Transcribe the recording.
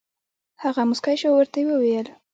هغه موسکی شو او ورته یې وویل: